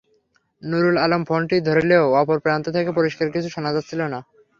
নুরুল আলম ফোনটি ধরলেও অপর প্রান্ত থেকে পরিষ্কার কিছু শোনা যাচ্ছিল না।